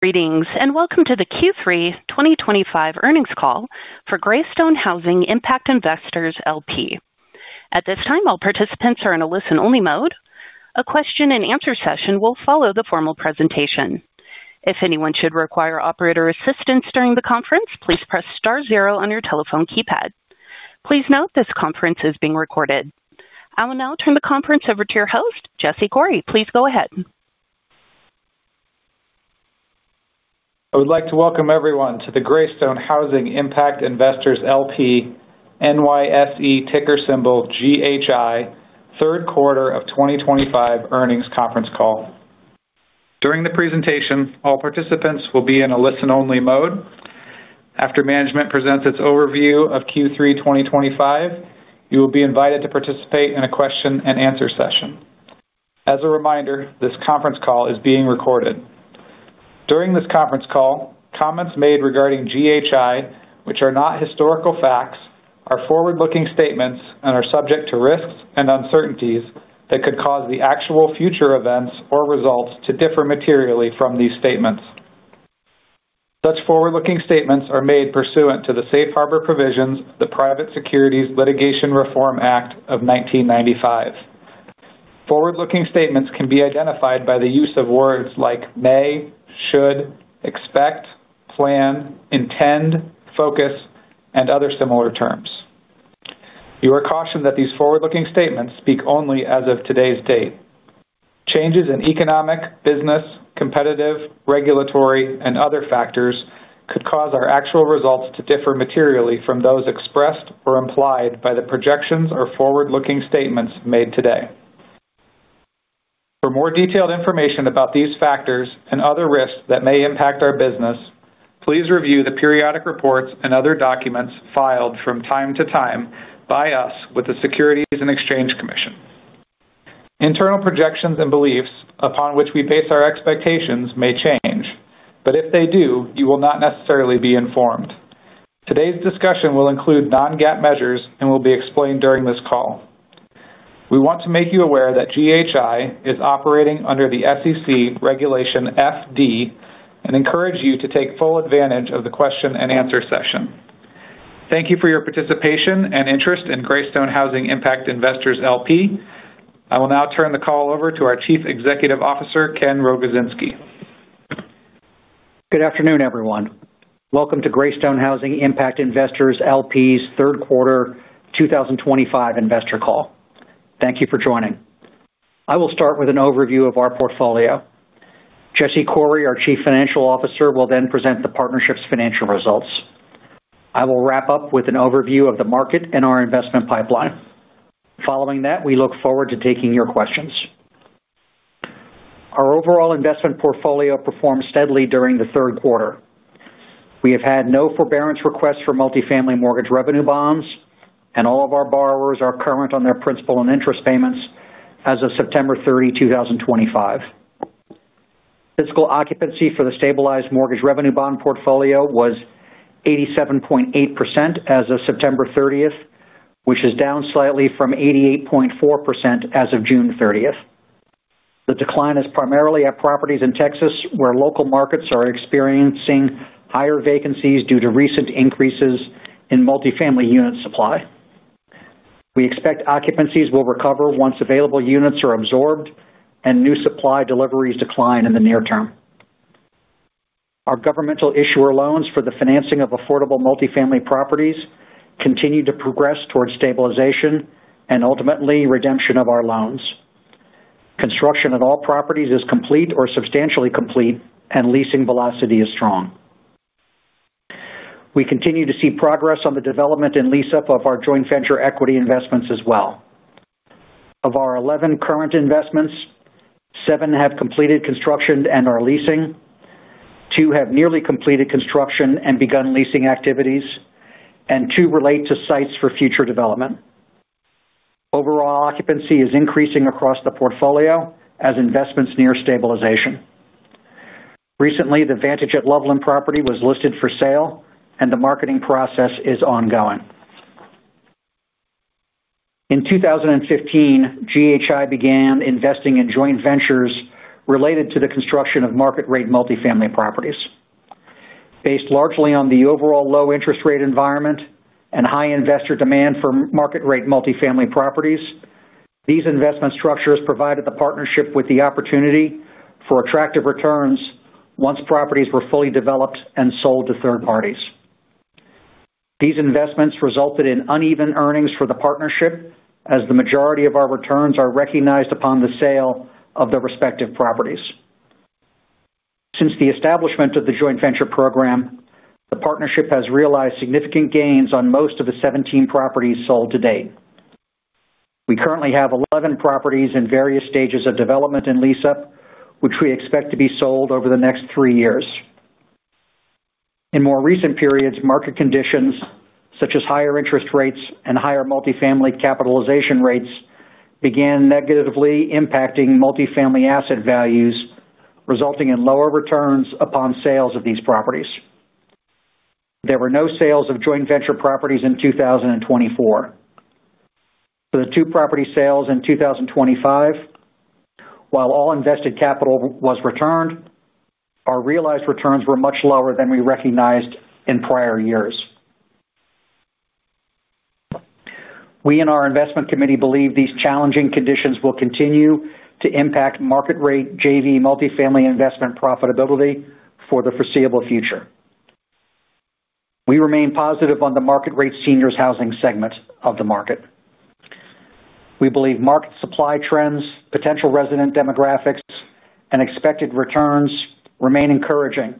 Greetings and welcome to the Q3 2025 earnings call for Greystone Housing Impact Investors LP. At this time, all participants are in a listen-only mode. A question-and-answer session will follow the formal presentation. If anyone should require operator assistance during the conference, please press star zero on your telephone keypad. Please note this conference is being recorded. I will now turn the conference over to your host, Jesse Corey. Please go ahead. I would like to welcome everyone to the Greystone Housing Impact Investors LP NYSE ticker symbol GHI third quarter of 2025 earnings conference call. During the presentation, all participants will be in a listen-only mode. After management presents its overview of Q3 2025, you will be invited to participate in a question-and-answer session. As a reminder, this conference call is being recorded. During this conference call, comments made regarding GHI, which are not historical facts, are forward-looking statements and are subject to risks and uncertainties that could cause the actual future events or results to differ materially from these statements. Such forward-looking statements are made pursuant to the Safe Harbor Provisions of the Private Securities Litigation Reform Act of 1995. Forward-looking statements can be identified by the use of words like may, should, expect, plan, intend, focus, and other similar terms. You are cautioned that these forward-looking statements speak only as of today's date. Changes in economic, business, competitive, regulatory, and other factors could cause our actual results to differ materially from those expressed or implied by the projections or forward-looking statements made today. For more detailed information about these factors and other risks that may impact our business, please review the periodic reports and other documents filed from time to time by us with the Securities and Exchange Commission. Internal projections and beliefs upon which we base our expectations may change, but if they do, you will not necessarily be informed. Today's discussion will include non-GAAP measures and will be explained during this call. We want to make you aware that GHI is operating under the SEC Regulation FD and encourage you to take full advantage of the question-and-answer session. Thank you for your participation and interest in Greystone Housing Impact Investors LP. I will now turn the call over to our Chief Executive Officer, Ken Rogozinski. Good afternoon, everyone. Welcome to Greystone Housing Impact Investors LP's third quarter 2025 investor call. Thank you for joining. I will start with an overview of our portfolio. Jesse Corey, our Chief Financial Officer, will then present the partnership's financial results. I will wrap up with an overview of the market and our investment pipeline. Following that, we look forward to taking your questions. Our overall investment portfolio performed steadily during the third quarter. We have had no forbearance requests for multifamily mortgage revenue bonds, and all of our borrowers are current on their principal and interest payments as of September 30, 2025. Fiscal occupancy for the stabilized mortgage revenue bond portfolio was 87.8% as of September 30th, which is down slightly from 88.4% as of June 30th. The decline is primarily at properties in Texas where local markets are experiencing higher vacancies due to recent increases in multifamily unit supply. We expect occupancies will recover once available units are absorbed and new supply deliveries decline in the near term. Our governmental issuer loans for the financing of affordable multifamily properties continue to progress toward stabilization and ultimately redemption of our loans. Construction at all properties is complete or substantially complete, and leasing velocity is strong. We continue to see progress on the development and lease-up of our joint venture equity investments as well. Of our 11 current investments, seven have completed construction and are leasing. Two have nearly completed construction and begun leasing activities, and two relate to sites for future development. Overall, occupancy is increasing across the portfolio as investments near stabilization. Recently, the Vantage at Loveland property was listed for sale, and the marketing process is ongoing. In 2015, GHI began investing in joint ventures related to the construction of market-rate multifamily properties. Based largely on the overall low interest rate environment and high investor demand for market-rate multifamily properties, these investment structures provided the partnership with the opportunity for attractive returns once properties were fully developed and sold to third parties. These investments resulted in uneven earnings for the partnership, as the majority of our returns are recognized upon the sale of the respective properties. Since the establishment of the joint venture program, the partnership has realized significant gains on most of the 17 properties sold to date. We currently have 11 properties in various stages of development and lease-up, which we expect to be sold over the next three years. In more recent periods, market conditions such as higher interest rates and higher multifamily capitalization rates began negatively impacting multifamily asset values, resulting in lower returns upon sales of these properties. There were no sales of joint venture properties in 2024. For the two property sales in 2025, while all invested capital was returned, our realized returns were much lower than we recognized in prior years. We and our investment committee believe these challenging conditions will continue to impact market-rate JV multifamily investment profitability for the foreseeable future. We remain positive on the market-rate seniors' housing segment of the market. We believe market supply trends, potential resident demographics, and expected returns remain encouraging,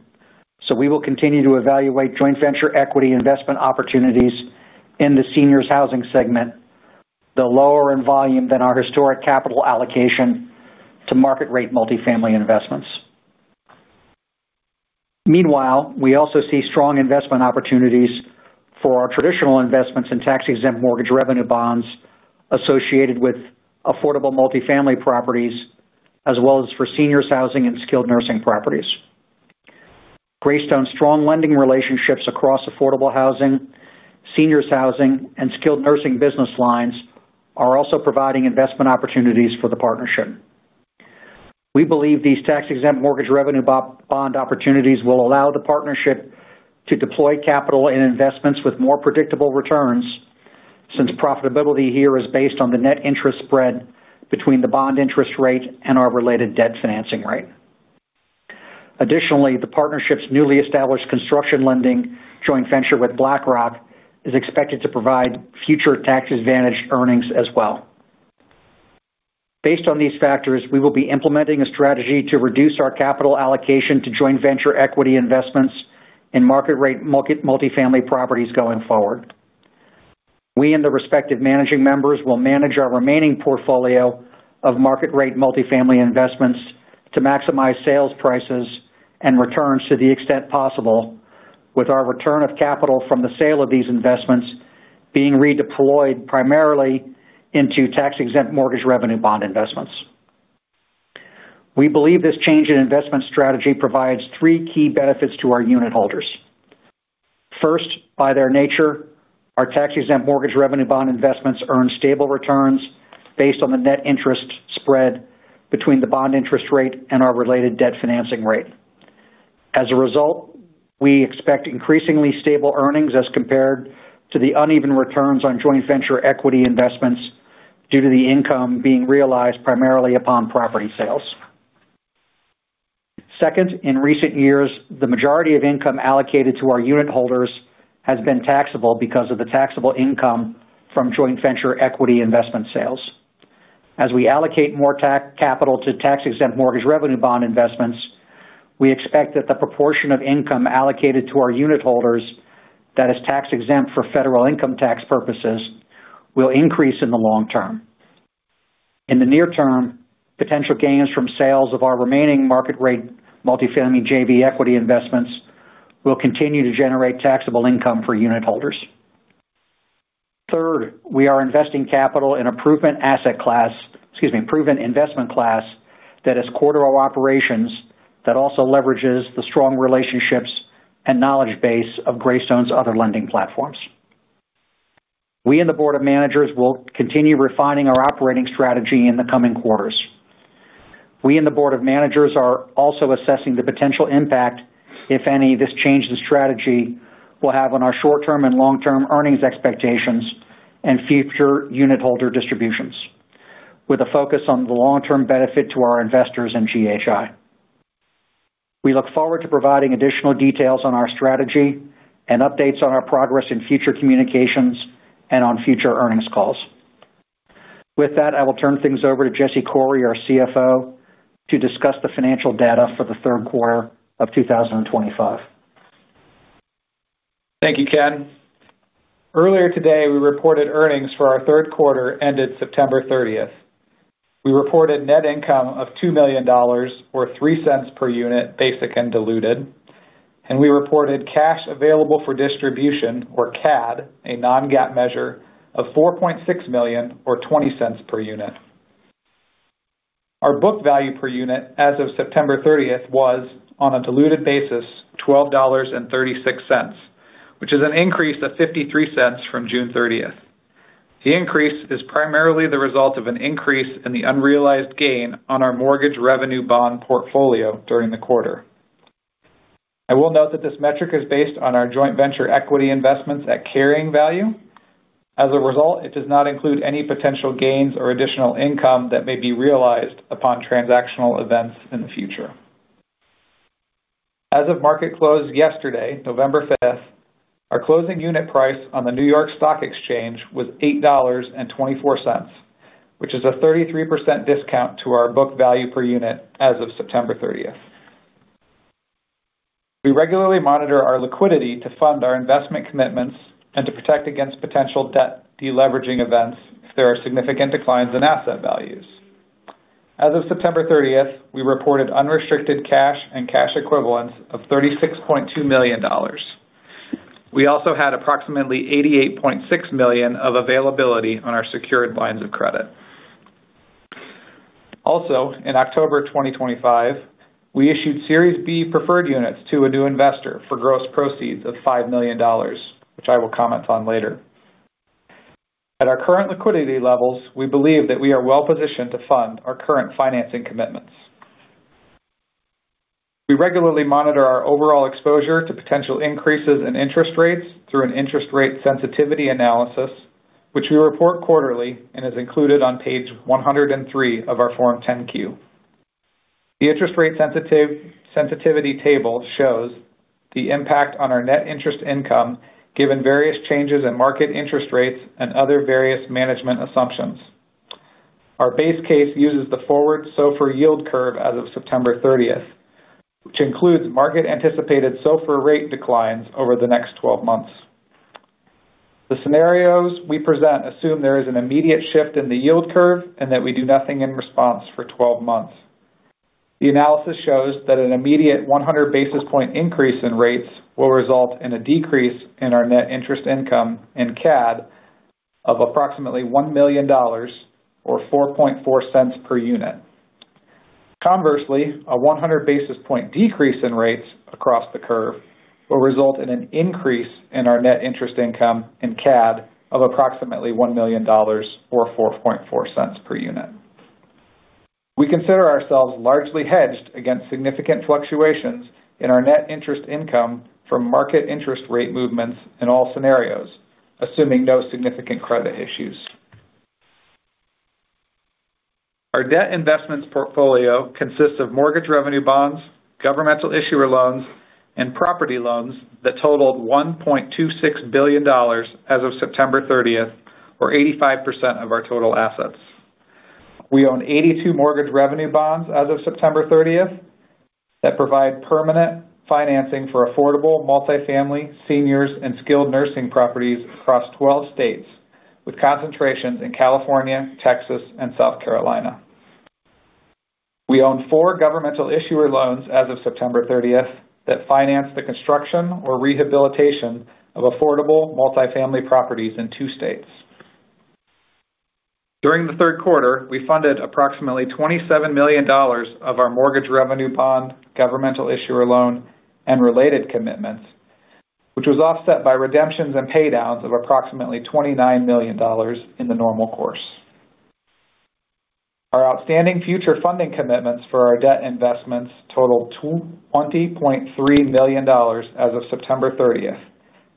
so we will continue to evaluate joint venture equity investment opportunities in the seniors' housing segment, though lower in volume than our historic capital allocation to market-rate multifamily investments. Meanwhile, we also see strong investment opportunities for our traditional investments in tax-exempt mortgage revenue bonds associated with affordable multifamily properties, as well as for seniors' housing and skilled nursing properties. Greystone's strong lending relationships across affordable housing, seniors' housing, and skilled nursing business lines are also providing investment opportunities for the partnership. We believe these tax-exempt mortgage revenue bond opportunities will allow the partnership to deploy capital and investments with more predictable returns since profitability here is based on the net interest spread between the bond interest rate and our related debt financing rate. Additionally, the partnership's newly established construction lending joint venture with BlackRock is expected to provide future tax-advantaged earnings as well. Based on these factors, we will be implementing a strategy to reduce our capital allocation to joint venture equity investments in market-rate multifamily properties going forward. We and the respective managing members will manage our remaining portfolio of market-rate multifamily investments to maximize sales prices and returns to the extent possible, with our return of capital from the sale of these investments being redeployed primarily into tax-exempt mortgage revenue bond investments. We believe this change in investment strategy provides three key benefits to our unit holders. First, by their nature, our tax-exempt mortgage revenue bond investments earn stable returns based on the net interest spread between the bond interest rate and our related debt financing rate. As a result, we expect increasingly stable earnings as compared to the uneven returns on joint venture equity investments due to the income being realized primarily upon property sales. Second, in recent years, the majority of income allocated to our unit holders has been taxable because of the taxable income from joint venture equity investment sales. As we allocate more capital to tax-exempt mortgage revenue bond investments, we expect that the proportion of income allocated to our unit holders that is tax-exempt for federal income tax purposes will increase in the long term. In the near term, potential gains from sales of our remaining market-rate multifamily JV equity investments will continue to generate taxable income for unit holders. Third, we are investing capital in a proven asset class—excuse me—proven investment class that is quarter operations that also leverages the strong relationships and knowledge base of Greystone's other lending platforms. We and the board of managers will continue refining our operating strategy in the coming quarters. We and the board of managers are also assessing the potential impact, if any, this change in strategy will have on our short-term and long-term earnings expectations and future unit holder distributions, with a focus on the long-term benefit to our investors in GHI. We look forward to providing additional details on our strategy and updates on our progress in future communications and on future earnings calls. With that, I will turn things over to Jesse Corey, our CFO, to discuss the financial data for the third quarter of 2025. Thank you, Ken. Earlier today, we reported earnings for our third quarter ended September 30th. We reported net income of $2 million, or $0.03 per unit, basic and diluted, and we reported cash available for distribution, or CAD, a non-GAAP measure, of $4.6 million, or $0.20 per unit. Our book value per unit as of September 30th was, on a diluted basis, $12.36, which is an increase of $0.53 from June 30th. The increase is primarily the result of an increase in the unrealized gain on our mortgage revenue bond portfolio during the quarter. I will note that this metric is based on our joint venture equity investments at carrying value. As a result, it does not include any potential gains or additional income that may be realized upon transactional events in the future. As of market close yesterday, November 5th, our closing unit price on the New York Stock Exchange was $8.24, which is a 33% discount to our book value per unit as of September 30th. We regularly monitor our liquidity to fund our investment commitments and to protect against potential debt deleveraging events if there are significant declines in asset values. As of September 30th, we reported unrestricted cash and cash equivalents of $36.2 million. We also had approximately $88.6 million of availability on our secured lines of credit. Also, in October 2025, we issued Series B preferred units to a new investor for gross proceeds of $5 million, which I will comment on later. At our current liquidity levels, we believe that we are well-positioned to fund our current financing commitments. We regularly monitor our overall exposure to potential increases in interest rates through an interest rate sensitivity analysis, which we report quarterly and is included on page 103 of our Form 10-Q. The interest rate sensitivity table shows the impact on our net interest income given various changes in market interest rates and other various management assumptions. Our base case uses the forward SOFR yield curve as of September 30th, which includes market-anticipated SOFR rate declines over the next 12 months. The scenarios we present assume there is an immediate shift in the yield curve and that we do nothing in response for 12 months. The analysis shows that an immediate 100 basis point increase in rates will result in a decrease in our net interest income in CAD of approximately $1 million, or $0.044 per unit. Conversely, a 100 basis point decrease in rates across the curve will result in an increase in our net interest income in CAD of approximately $1 million, or $0.044 per unit. We consider ourselves largely hedged against significant fluctuations in our net interest income from market interest rate movements in all scenarios, assuming no significant credit issues. Our debt investments portfolio consists of mortgage revenue bonds, governmental issuer loans, and property loans that totaled $1.26 billion as of September 30th, or 85% of our total assets. We own 82 mortgage revenue bonds as of September 30th that provide permanent financing for affordable multifamily, seniors, and skilled nursing properties across 12 states, with concentrations in California, Texas, and South Carolina. We own four governmental issuer loans as of September 30th that finance the construction or rehabilitation of affordable multifamily properties in two states. During the third quarter, we funded approximately $27 million of our mortgage revenue bond, governmental issuer loan, and related commitments, which was offset by redemptions and paydowns of approximately $29 million in the normal course. Our outstanding future funding commitments for our debt investments totaled $20.3 million as of September 30th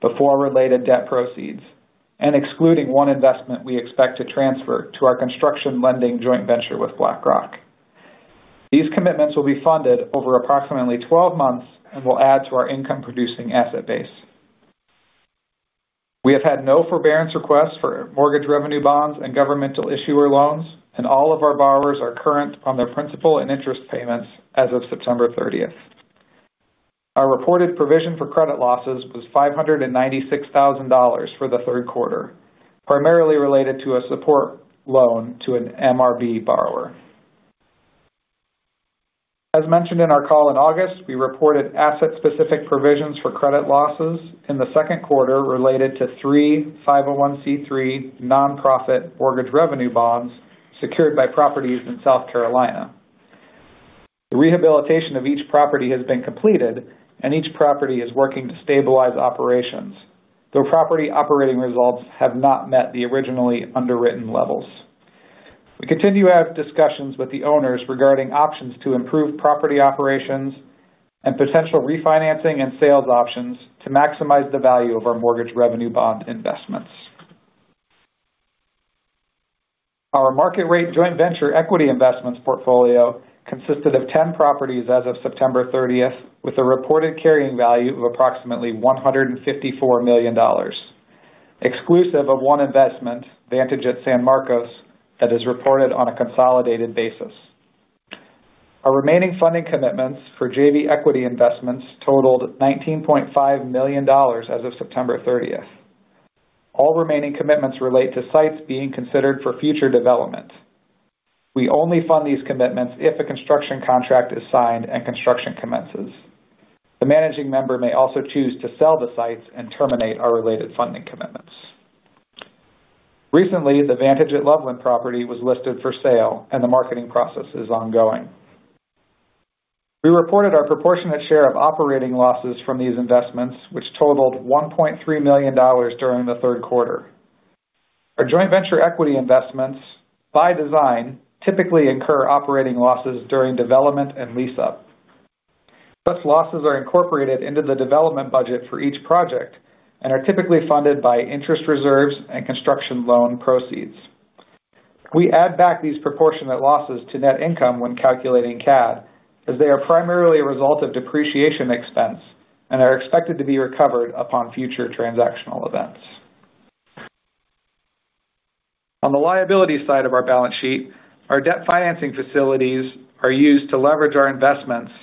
before related debt proceeds, excluding one investment we expect to transfer to our construction lending joint venture with BlackRock. These commitments will be funded over approximately 12 months and will add to our income-producing asset base. We have had no forbearance requests for mortgage revenue bonds and governmental issuer loans, and all of our borrowers are current on their principal and interest payments as of September 30th. Our reported provision for credit losses was $596,000 for the third quarter, primarily related to a support loan to an MRB borrower. As mentioned in our call in August, we reported asset-specific provisions for credit losses in the second quarter related to three 501(c)(3) nonprofit mortgage revenue bonds secured by properties in South Carolina. The rehabilitation of each property has been completed, and each property is working to stabilize operations, though property operating results have not met the originally underwritten levels. We continue to have discussions with the owners regarding options to improve property operations and potential refinancing and sales options to maximize the value of our mortgage revenue bond investments. Our market-rate joint venture equity investments portfolio consisted of 10 properties as of September 30th, with a reported carrying value of approximately $154 million, exclusive of one investment, Vantage at San Marcos, that is reported on a consolidated basis. Our remaining funding commitments for JV equity investments totaled $19.5 million as of September 30. All remaining commitments relate to sites being considered for future development. We only fund these commitments if a construction contract is signed and construction commences. The managing member may also choose to sell the sites and terminate our related funding commitments. Recently, the Vantage at Loveland property was listed for sale, and the marketing process is ongoing. We reported our proportionate share of operating losses from these investments, which totaled $1.3 million during the third quarter. Our joint venture equity investments, by design, typically incur operating losses during development and lease-up. Such losses are incorporated into the development budget for each project and are typically funded by interest reserves and construction loan proceeds. We add back these proportionate losses to net income when calculating CAD, as they are primarily a result of depreciation expense and are expected to be recovered upon future transactional events. On the liability side of our balance sheet, our debt financing facilities are used to leverage our investments. Our debt financing facilities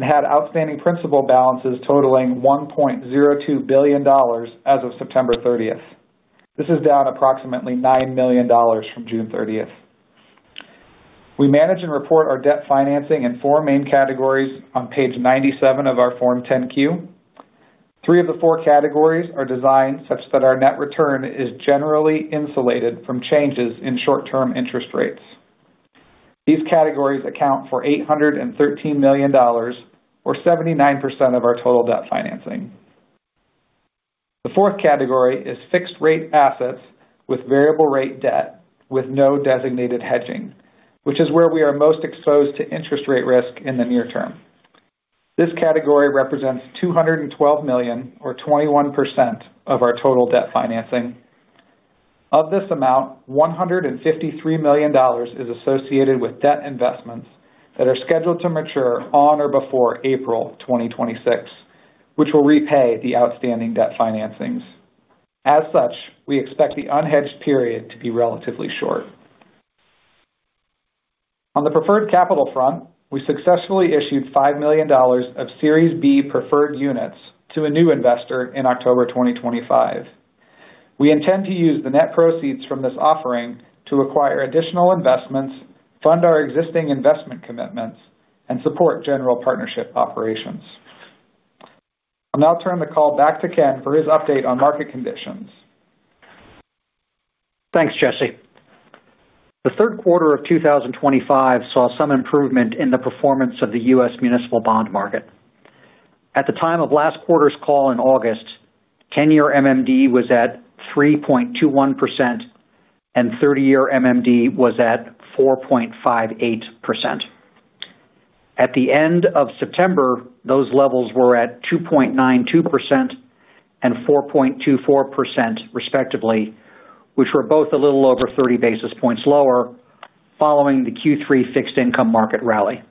had outstanding principal balances totaling $1.02 billion as of September 30th. This is down approximately $9 million from June 30th. We manage and report our debt financing in four main categories on page 97 of our Form 10-Q. Three of the four categories are designed such that our net return is generally insulated from changes in short-term interest rates. These categories account for $813 million, or 79% of our total debt financing. The fourth category is fixed-rate assets with variable-rate debt with no designated hedging, which is where we are most exposed to interest rate risk in the near term. This category represents $212 million, or 21% of our total debt financing. Of this amount, $153 million is associated with debt investments that are scheduled to mature on or before April 2026, which will repay the outstanding debt financings. As such, we expect the unhedged period to be relatively short. On the preferred capital front, we successfully issued $5 million of Series B preferred units to a new investor in October 2025. We intend to use the net proceeds from this offering to acquire additional investments, fund our existing investment commitments, and support general partnership operations. I'll now turn the call back to Ken for his update on market conditions. Thanks, Jesse. The third quarter of 2025 saw some improvement in the performance of the U.S. municipal bond market. At the time of last quarter's call in August, 10-year MMD was at 3.21%. 30-year MMD was at 4.58%. At the end of September, those levels were at 2.92% and 4.24%, respectively, which were both a little over 30 basis points lower following the Q3 fixed-income market rally.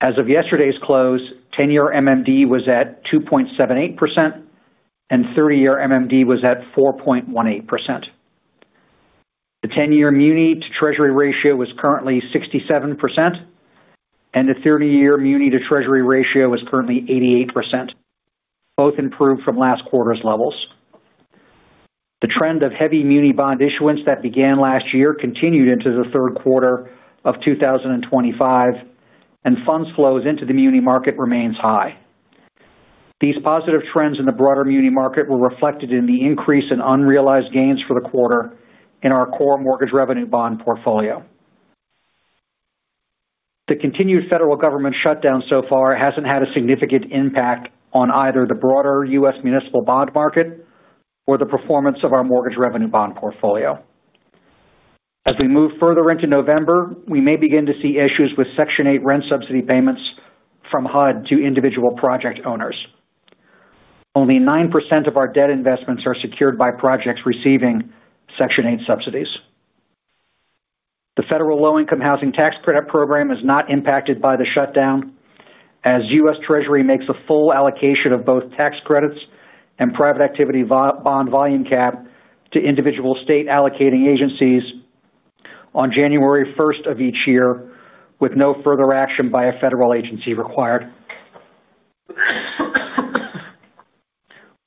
As of yesterday's close, 10-year MMD was at 2.78% and 30-year MMD was at 4.18%. The 10-year muni-to-treasury ratio is currently 67% and the 30-year muni-to-treasury ratio is currently 88%. Both improved from last quarter's levels. The trend of heavy muni bond issuance that began last year continued into the third quarter of 2025 and funds flows into the muni market remains high. These positive trends in the broader muni market were reflected in the increase in unrealized gains for the quarter in our core mortgage revenue bond portfolio. The continued federal government shutdown so far has not had a significant impact on either the broader U.S. municipal bond market or the performance of our mortgage revenue bond portfolio. As we move further into November, we may begin to see issues with Section 8 rent subsidy payments from HUD to individual project owners. Only 9% of our debt investments are secured by projects receiving Section 8 subsidies. The federal low-income housing tax credit program is not impacted by the shutdown, as U.S. Treasury makes a full allocation of both tax credits and private activity bond volume cap to individual state allocating agencies on January 1st of each year, with no further action by a federal agency required.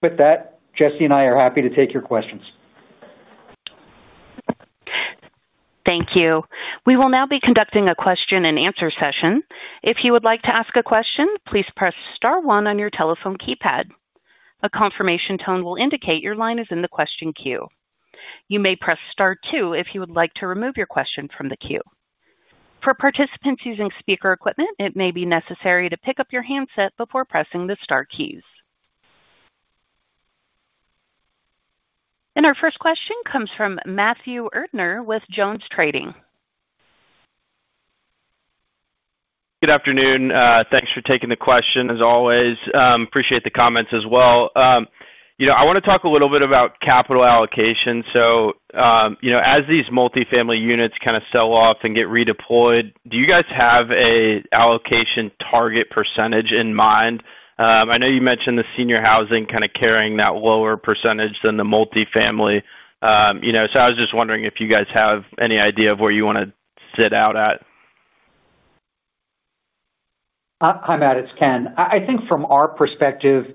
With that, Jesse and I are happy to take your questions. Thank you. We will now be conducting a question-and-answer session. If you would like to ask a question, please press star one on your telephone keypad. A confirmation tone will indicate your line is in the question queue. You may press star two if you would like to remove your question from the queue. For participants using speaker equipment, it may be necessary to pick up your handset before pressing the star keys. Our first question comes from Matthew Erdner with JonesTrading. Good afternoon. Thanks for taking the question, as always. Appreciate the comments as well. I want to talk a little bit about capital allocation. As these multifamily units kind of sell off and get redeployed, do you guys have an allocation target percentage in mind? I know you mentioned the senior housing kind of carrying that lower percentage than the multifamily. I was just wondering if you guys have any idea of where you want to sit out at. Hi, Matt. It's Ken. I think from our perspective,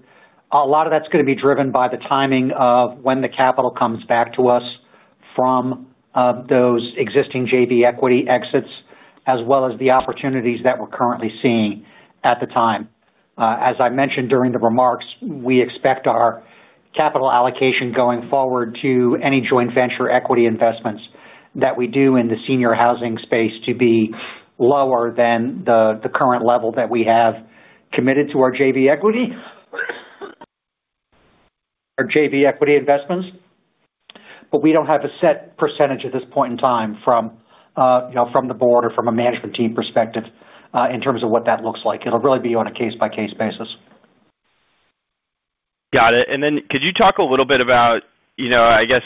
a lot of that's going to be driven by the timing of when the capital comes back to us from those existing JV equity exits, as well as the opportunities that we're currently seeing at the time. As I mentioned during the remarks, we expect our capital allocation going forward to any joint venture equity investments that we do in the senior housing space to be lower than the current level that we have committed to our JV equity, our JV equity investments. We do not have a set percentage at this point in time from the board or from a management team perspective in terms of what that looks like. It'll really be on a case-by-case basis. Got it. Could you talk a little bit about, I guess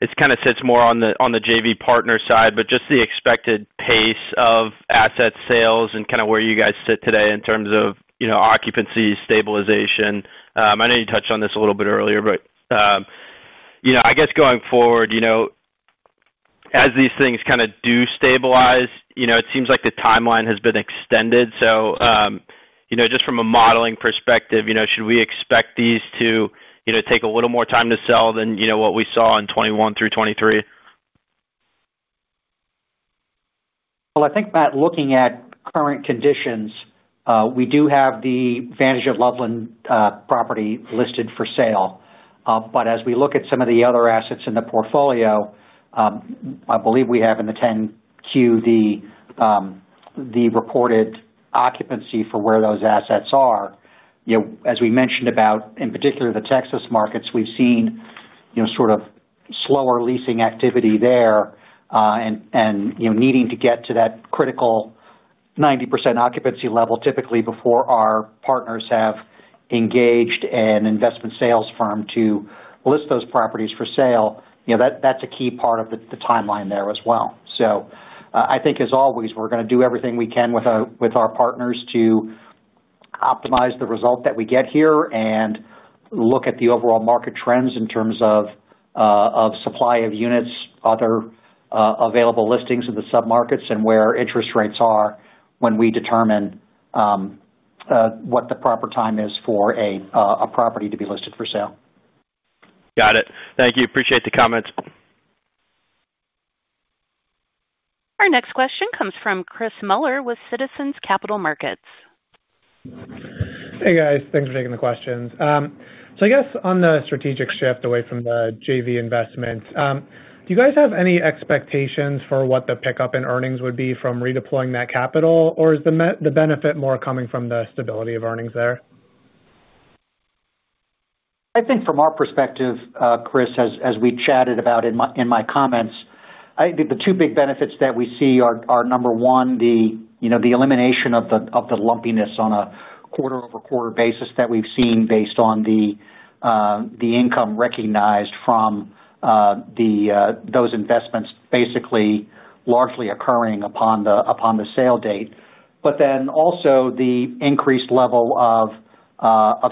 it kind of sits more on the JV partner side, but just the expected pace of asset sales and kind of where you guys sit today in terms of occupancy stabilization? I know you touched on this a little bit earlier. I guess going forward, as these things kind of do stabilize, it seems like the timeline has been extended. Just from a modeling perspective, should we expect these to take a little more time to sell than what we saw in 2021 through 2023? I think, Matt, looking at current conditions, we do have the Vantage at Loveland property listed for sale. As we look at some of the other assets in the portfolio, I believe we have in the 10-Q the reported occupancy for where those assets are. As we mentioned, in particular, the Texas markets, we've seen sort of slower leasing activity there and needing to get to that critical 90% occupancy level typically before our partners have engaged an investment sales firm to list those properties for sale. That's a key part of the timeline there as well. I think, as always, we're going to do everything we can with our partners to optimize the result that we get here and look at the overall market trends in terms of supply of units, other available listings in the sub-markets, and where interest rates are when we determine. What the proper time is for a property to be listed for sale. Got it. Thank you. Appreciate the comments. Our next question comes from Chris Muller with Citizens Capital Markets. Hey, guys. Thanks for taking the questions. I guess on the strategic shift away from the JV investments, do you guys have any expectations for what the pickup in earnings would be from redeploying that capital, or is the benefit more coming from the stability of earnings there? I think from our perspective, Chris, as we chatted about in my comments, the two big benefits that we see are, number one, the elimination of the lumpiness on a quarter-over-quarter basis that we've seen based on the income recognized from those investments, basically largely occurring upon the sale date. Also, the increased level of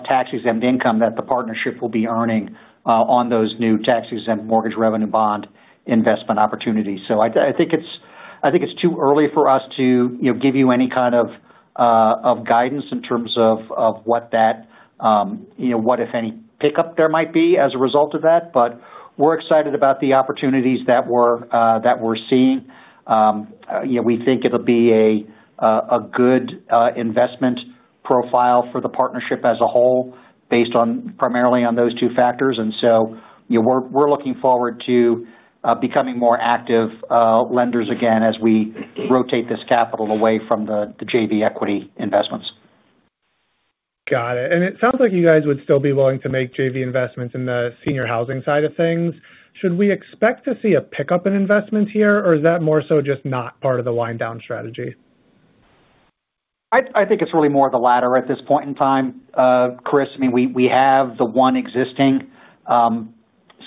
tax-exempt income that the partnership will be earning on those new tax-exempt mortgage revenue bond investment opportunities. I think it's too early for us to give you any kind of guidance in terms of what that, what, if any, pickup there might be as a result of that. We're excited about the opportunities that we're seeing. We think it'll be a good investment profile for the partnership as a whole based primarily on those two factors. We're looking forward to it. Becoming more active lenders again as we rotate this capital away from the JV equity investments. Got it. It sounds like you guys would still be willing to make JV investments in the senior housing side of things. Should we expect to see a pickup in investments here, or is that more so just not part of the wind-down strategy? I think it's really more the latter at this point in time, Chris. I mean, we have the one existing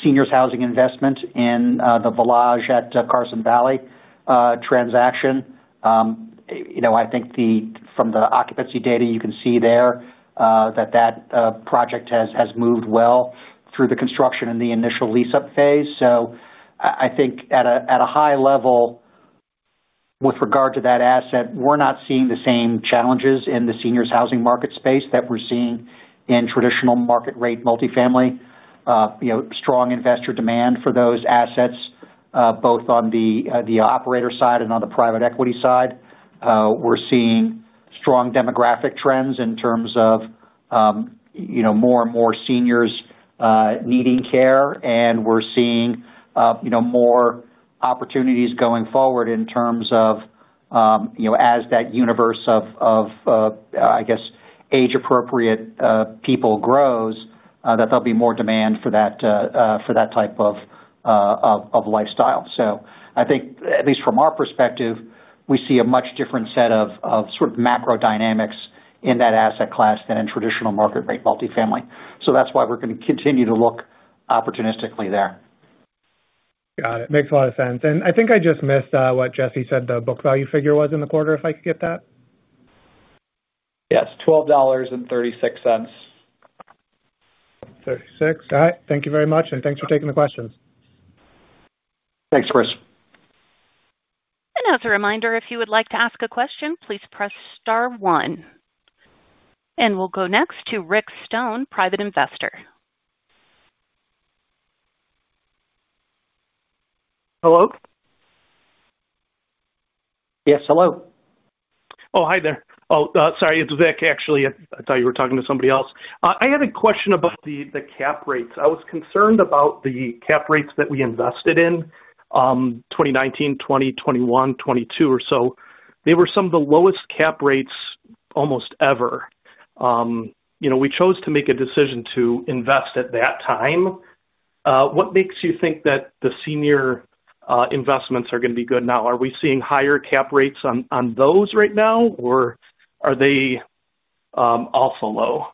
seniors' housing investment in the Village at Carson Valley transaction. I think from the occupancy data, you can see there that that project has moved well through the construction and the initial lease-up phase. I think at a high level, with regard to that asset, we're not seeing the same challenges in the seniors' housing market space that we're seeing in traditional market-rate multifamily. Strong investor demand for those assets, both on the operator side and on the private equity side. We're seeing strong demographic trends in terms of more and more seniors needing care. We're seeing more opportunities going forward in terms of, as that universe of, I guess, age-appropriate people grows, that there'll be more demand for that type of lifestyle. I think, at least from our perspective, we see a much different set of sort of macro dynamics in that asset class than in traditional market-rate multifamily. That is why we are going to continue to look opportunistically there. Got it. Makes a lot of sense. I think I just missed what Jesse said the book value figure was in the quarter, if I could get that. Yes. $12.36. $12.36. All right. Thank you very much. Thanks for taking the questions. Thanks, Chris. As a reminder, if you would like to ask a question, please press star one. We will go next to Vic Stone, private investor. Hello? Yes. Hello. Oh, hi there. Oh, sorry. It's Vic, actually. I thought you were talking to somebody else. I had a question about the cap rates. I was concerned about the cap rates that we invested in. 2019, 2021, 2022 or so. They were some of the lowest cap rates almost ever. We chose to make a decision to invest at that time. What makes you think that the senior investments are going to be good now? Are we seeing higher cap rates on those right now, or are they also low?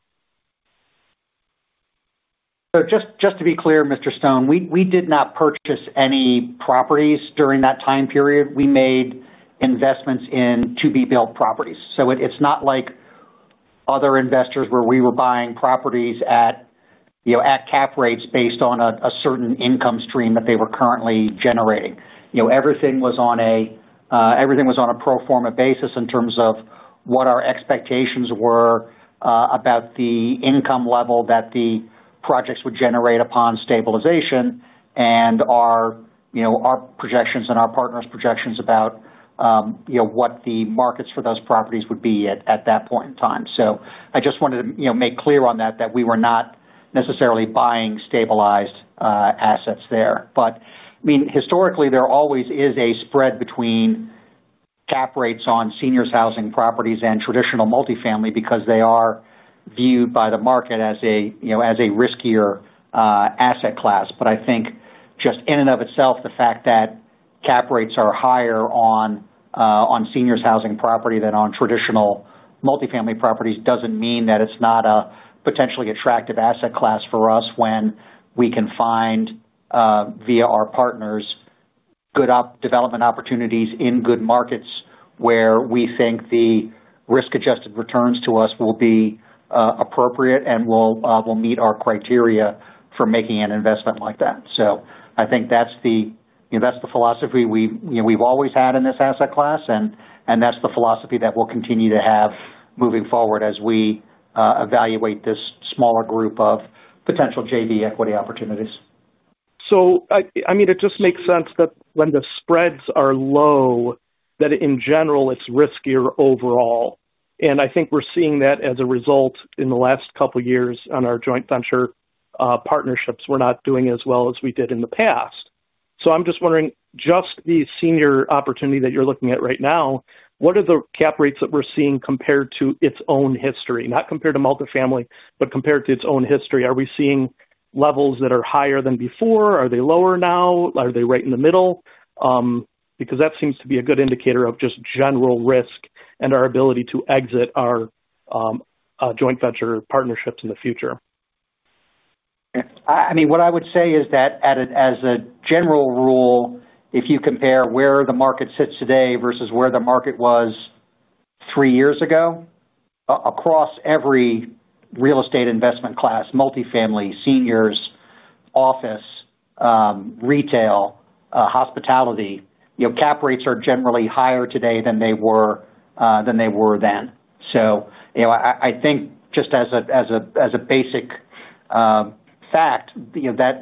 Just to be clear, Mr. Stone, we did not purchase any properties during that time period. We made investments in to-be-built properties. It is not like other investors where we were buying properties at cap rates based on a certain income stream that they were currently generating. Everything was on a pro forma basis in terms of what our expectations were about the income level that the projects would generate upon stabilization and our projections and our partner's projections about what the markets for those properties would be at that point in time. I just wanted to make clear on that, that we were not necessarily buying stabilized assets there. I mean, historically, there always is a spread between cap rates on seniors' housing properties and traditional multifamily because they are viewed by the market as a riskier asset class. I think just in and of itself, the fact that cap rates are higher on seniors' housing property than on traditional multifamily properties doesn't mean that it's not a potentially attractive asset class for us when we can find, via our partners, good development opportunities in good markets where we think the risk-adjusted returns to us will be appropriate and will meet our criteria for making an investment like that. I think that's the philosophy we've always had in this asset class. That's the philosophy that we'll continue to have moving forward as we evaluate this smaller group of potential JV equity opportunities. I mean, it just makes sense that when the spreads are low, that in general, it's riskier overall. I think we're seeing that as a result in the last couple of years on our joint venture partnerships. We're not doing as well as we did in the past. I'm just wondering, just the senior opportunity that you're looking at right now, what are the cap rates that we're seeing compared to its own history? Not compared to multifamily, but compared to its own history. Are we seeing levels that are higher than before? Are they lower now? Are they right in the middle? That seems to be a good indicator of just general risk and our ability to exit our joint venture partnerships in the future. I mean, what I would say is that as a general rule, if you compare where the market sits today versus where the market was three years ago, across every real estate investment class, multifamily, seniors, office, retail, hospitality, cap rates are generally higher today than they were then. I think just as a basic fact,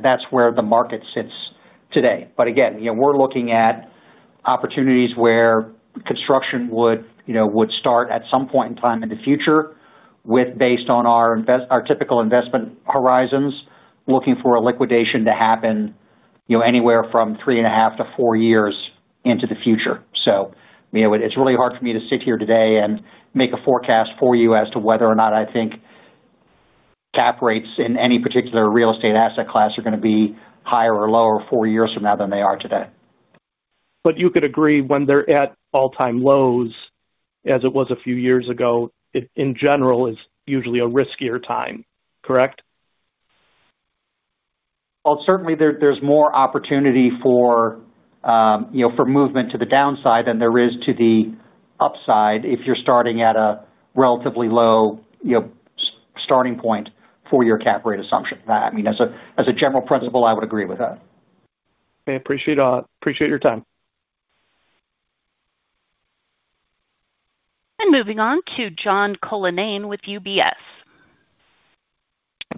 that's where the market sits today. Again, we're looking at opportunities where construction would start at some point in time in the future based on our typical investment horizons, looking for a liquidation to happen anywhere from three and a half to four years into the future. It's really hard for me to sit here today and make a forecast for you as to whether or not I think. Cap rates in any particular real estate asset class are going to be higher or lower four years from now than they are today. You could agree when they're at all-time lows as it was a few years ago, in general, is usually a riskier time, correct? Certainly, there's more opportunity for movement to the downside than there is to the upside if you're starting at a relatively low starting point for your cap rate assumption. I mean, as a general principle, I would agree with that. Okay. Appreciate your time. Moving on to John Cochrane with UBS.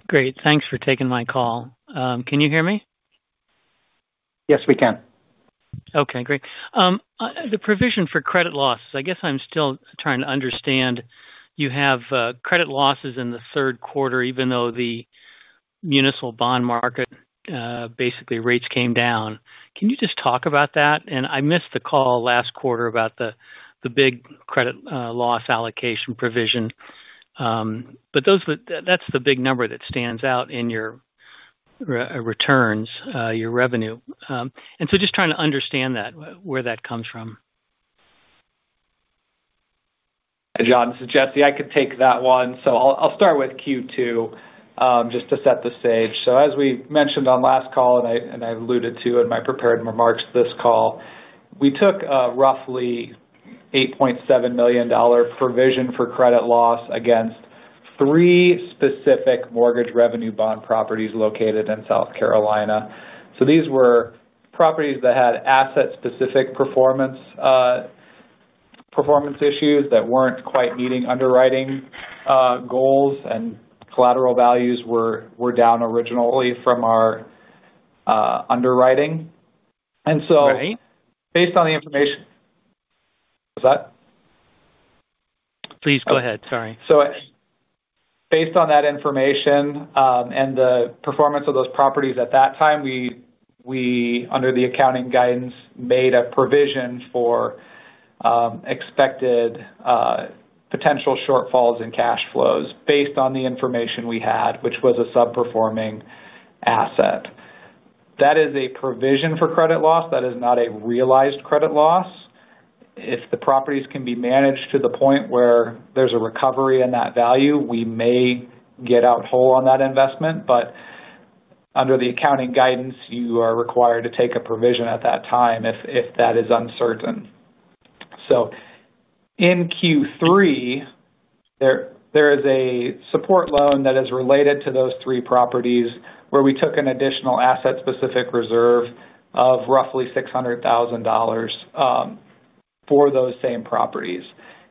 Great. Thanks for taking my call. Can you hear me? Yes, we can. Okay. Great. The provision for credit losses, I guess I'm still trying to understand. You have credit losses in the third quarter, even though the municipal bond market basically rates came down. Can you just talk about that? I missed the call last quarter about the big credit loss allocation provision. That is the big number that stands out in your returns, your revenue. Just trying to understand where that comes from. Hey, John. This is Jesse. I could take that one. I'll start with Q2 just to set the stage. As we mentioned on last call, and I alluded to in my prepared remarks this call, we took a roughly $8.7 million provision for credit loss against three specific mortgage revenue bond properties located in South Carolina. These were properties that had asset-specific performance issues that were not quite meeting underwriting goals, and collateral values were down originally from our underwriting. Based on the information. Please go ahead. Sorry. Based on that information and the performance of those properties at that time, we, under the accounting guidance, made a provision for expected potential shortfalls in cash flows based on the information we had, which was a subperforming asset. That is a provision for credit loss. That is not a realized credit loss. If the properties can be managed to the point where there's a recovery in that value, we may get out whole on that investment. Under the accounting guidance, you are required to take a provision at that time if that is uncertain. In Q3, there is a support loan that is related to those three properties where we took an additional asset-specific reserve of roughly $600,000 for those same properties.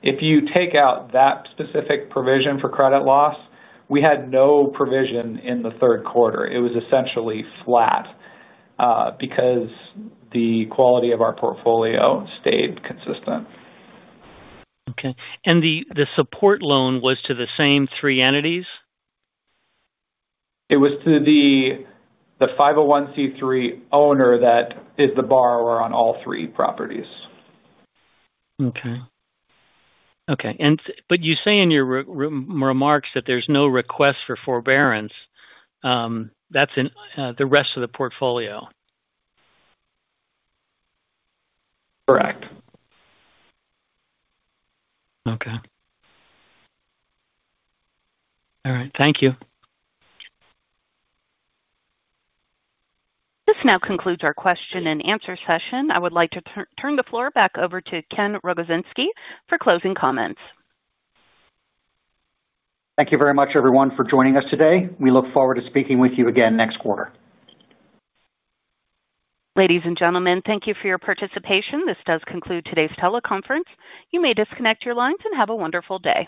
If you take out that specific provision for credit loss, we had no provision in the third quarter. It was essentially flat. Because the quality of our portfolio stayed consistent. Okay. And the support loan was to the same three entities? It was to the 501(c)(3) owner that is the borrower on all three properties. Okay. Okay. You say in your remarks that there's no request for forbearance. That's the rest of the portfolio. Correct. Okay. All right. Thank you. This now concludes our question and answer session. I would like to turn the floor back over to Ken Rogozinski for closing comments. Thank you very much, everyone, for joining us today. We look forward to speaking with you again next quarter. Ladies and gentlemen, thank you for your participation. This does conclude today's teleconference. You may disconnect your lines and have a wonderful day.